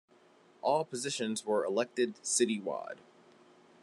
All positions were elected citywide.